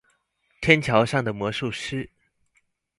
天橋上的魔術師